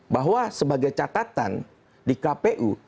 bahwa sebagai catatan di kpu